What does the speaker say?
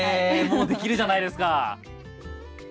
もうできるじゃないですか。